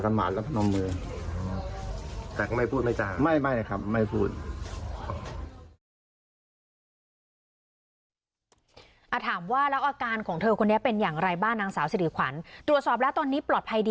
คุณหมอให้ออกจากโรงพยาบาล